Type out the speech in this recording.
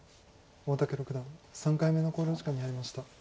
大竹六段３回目の考慮時間に入りました。